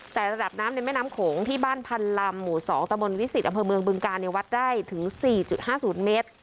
แต่ระดับน้ำในแม่น้ำโขงที่บ้านพันลำหมู่สองตะบนวิสิตอเผิงเมืองบึงการเนี่ยวัดได้ถึงสี่จุดห้าศูนย์เมตร